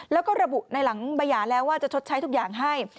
แล้วก็ระบุในหลังบาหยาแล้วว่าจะชดใช้ทุกอย่างให้